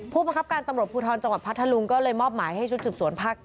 ประคับการตำรวจภูทรจังหวัดพัทธลุงก็เลยมอบหมายให้ชุดสืบสวนภาค๙